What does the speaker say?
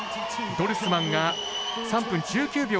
ドルスマンが３分１９秒８２。